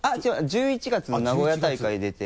１１月の名古屋大会出て。